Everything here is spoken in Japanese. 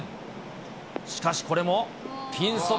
しかしこれもピンそば